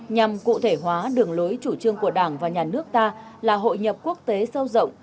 nhằm cụ thể hóa đường lối chủ trương của đảng và nhà nước ta là hội nhập quốc tế sâu rộng